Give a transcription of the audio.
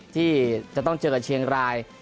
ที่จะต้องเจอกับเชียงราย